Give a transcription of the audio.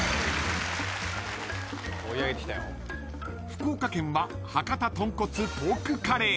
［福岡県は博多とんこつポークカレー］